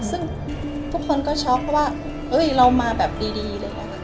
ซึ่งทุกคนก็ช็อกว่าเอ้ยเรามาแบบดีเลยค่ะ